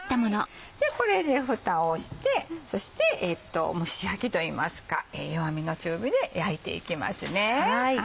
これでふたをしてそして蒸し焼きといいますか弱めの中火で焼いていきますね。